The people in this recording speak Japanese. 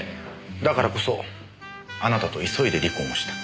だからこそあなたと急いで離婚をした。